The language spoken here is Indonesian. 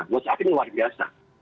whatsapp ini luar biasa